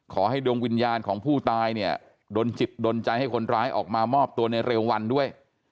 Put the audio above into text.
ขอให้ดวงวิญญาณของผู้ตายเนี่ยดนจิตดนใจให้คนร้ายออกมามอบตัวในเร็ววันด้วย